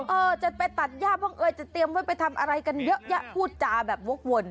เออจะไปตัดย่าบ้างเอ่ยจะเตรียมไว้ไปทำอะไรกันเยอะแยะพูดจาแบบวกวน